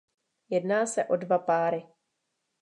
Jedná se o dva páry.